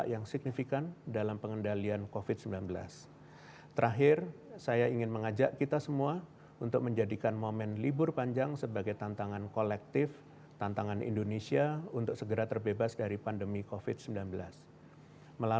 yang sudah divaksin lengkap selama